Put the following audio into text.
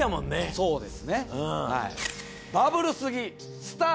そうです。